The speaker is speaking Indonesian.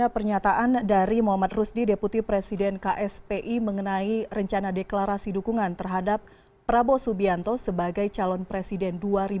pernyataan dari muhammad rusdi deputi presiden kspi mengenai rencana deklarasi dukungan terhadap prabowo subianto sebagai calon presiden dua ribu dua puluh